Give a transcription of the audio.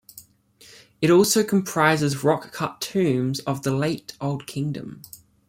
It also comprises rock-cut tombs of the late Old Kingdom.